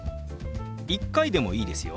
１回でもいいですよ。